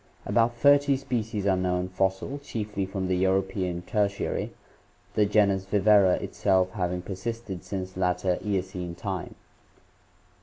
About thirty species are known fossil, chiefly from the European Tertiary, the genus Viverra itself having persisted since latter Eocene time.